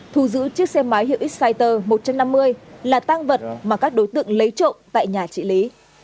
thu giữ chiếc xe máy hiệu exciter một trăm năm mươi là tăng vật mà các đối tượng lấy trộn tại nhà trị lý